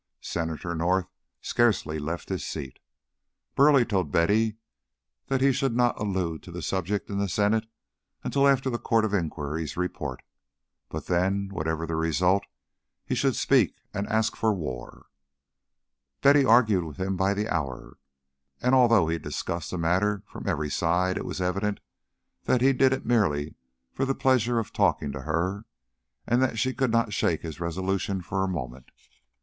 Senator North scarcely left his seat. Burleigh told Betty that he should not allude to the subject in the Senate until after the Court of Inquiry's report, but then, whatever the result, he should speak and ask for war. Betty argued with him by the hour, and although he discussed the matter from every side, it was evident that he did it merely for the pleasure of talking to her and that she could not shake his resolution for a moment.